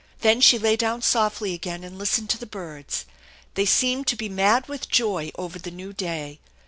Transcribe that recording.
Then she lay down softly again and listened to the birds. They seemed to be mad with joy over the new day.